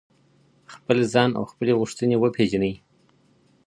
خپل ځان او خپلي غوښتنې وپیژنئ.